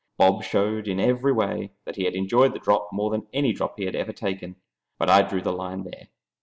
Bob showed in every way that he had enjoyed that drop more than any drop he had ever taken, but I drew the line there.